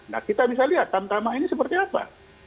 nah kita bisa lihat tamtama ini seperti apa